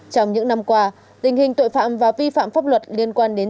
trong những năm qua tình hình tội phạm và vi phạm pháp luật liên quan đến